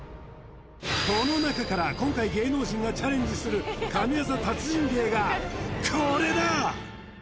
この中から今回芸能人がチャレンジする神業達人芸がこれだ！